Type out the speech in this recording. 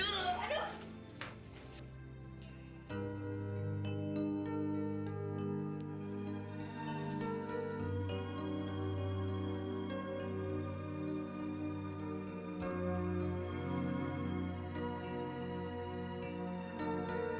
ya udah lepasin dulu